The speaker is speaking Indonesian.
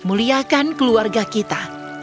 muliakan keluarga kita